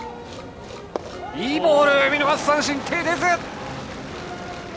いいボール、見逃し三振手が出ず！